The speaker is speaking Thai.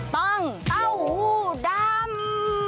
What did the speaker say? ต้องเต้าหู้ดำ